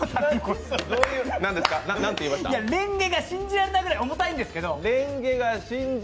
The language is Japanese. れんげが信じられないぐらい重たいんですけど！